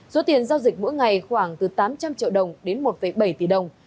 số tiền giao dịch mỗi ngày khoảng từ tám trăm linh triệu đồng đến một bảy tỷ đồng